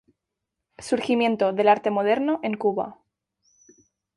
Surgimiento del Arte Moderno en Cuba.